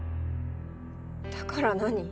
だから何？